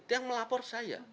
dia melapor saya